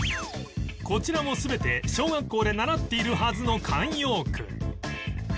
こちらも全て小学校で習っているはずの慣用句